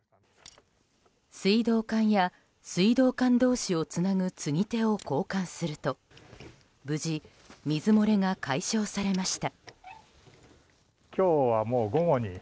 水道管や水道管同士をつなぐ継ぎ手を交換すると無事、水漏れが解消されました。